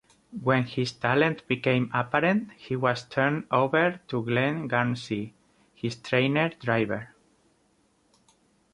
When his talent became apparent he was turned over to Glen Garnsey, his trainer-driver.